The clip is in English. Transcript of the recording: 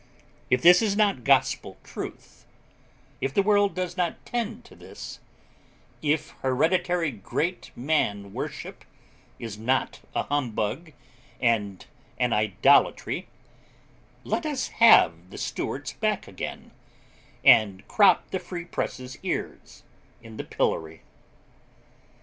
If this is not gospel truth if the world does not tend to this if hereditary great man worship is not a humbug and an idolatry let us have the Stuarts back again, and crop the Free Press's ears in the pillory.